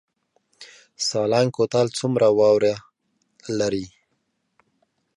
سالنګ کوتل څومره واوره لري؟